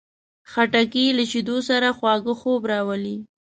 خټکی له شیدو سره خواږه خوب راولي.